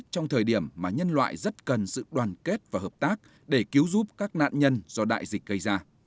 trong thời điểm mà nhân loại rất cần sự đoàn kết và hợp tác để cứu giúp các nạn nhân do đại dịch gây ra